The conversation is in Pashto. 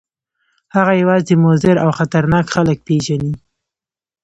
هغه یوازې مضر او خطرناک خلک پېژني.